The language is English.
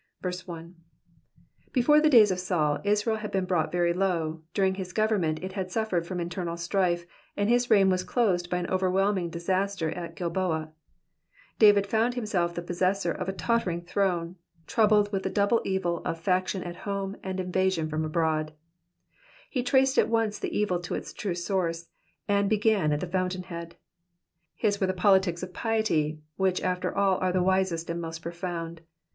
1. Before the days of Saul, Israel had been brought very low ; during his government it had suffered from internal strife, and his reign was closed by an overwhelming disaster at Qilboa. David found himself the possessor of a tottering throne, troubled with the double evil of faction at home, and invasion from abroad. He traced at once the evil to its true source, and began at the fountainhead. His were the politics of piety, which after all are the wisest and most profound.